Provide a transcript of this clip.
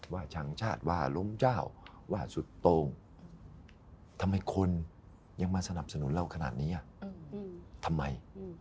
ช่างชาติว่าล้มเจ้าว่าสุดตรงทำไมคนยังมาสนับสนุนเราขนาดนี้ทำไม